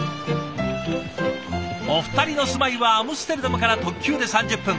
お二人の住まいはアムステルダムから特急で３０分。